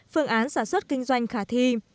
phương án sản xuất kinh doanh khả thi